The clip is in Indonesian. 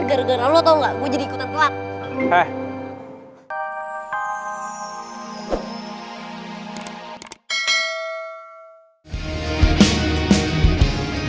gara gara lo tau gak gue jadi ikutan telat